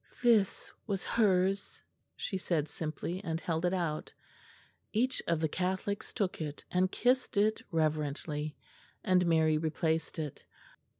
"This was hers," she said simply, and held it out. Each of the Catholics took it and kissed it reverently, and Mary replaced it.